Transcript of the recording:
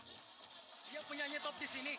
dia punya nyetop di sini